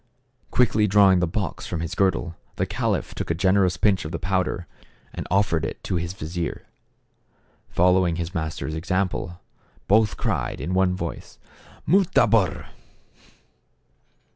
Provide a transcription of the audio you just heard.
Quickly drawing the box from his girdle the caliph took a gen erous pinch of the powder, ^ 7 and offered it to his vizier. Following his master's example, both cried in one voice, " Mutabor